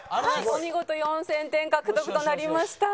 お見事４０００点獲得となりました。